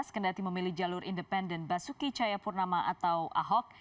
kendati memilih jalur independen basuki cayapurnama atau ahok